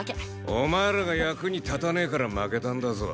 お前らが役に立たねえから負けたんだぞ。